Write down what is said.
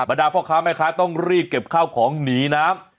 ดาพ่อค้าแม่ค้าต้องรีบเก็บข้าวของหนีน้ำ